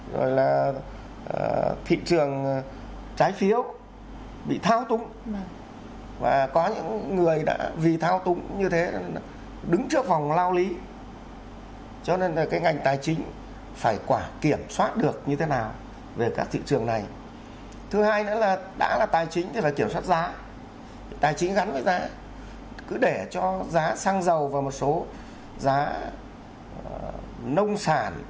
rồi là thị trường trái phiếu bị thao túng và có những người đã vì thao túng như thế đứng trước vòng lao lý cho nên là cái ngành tài chính phải quả kiểm soát được như thế nào về các thị trường này thứ hai nữa là đã là tài chính thì là kiểm soát giá tài chính gắn với giá cứ để cho giá xăng dầu và một số giá nông sản